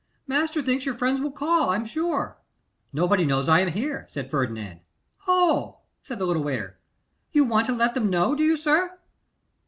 'Master thinks your friends will call, I am sure.' 'Nobody knows I am here,' said Ferdinand. 'Oh!' said the little waiter, 'You want to let them know, do you, sir?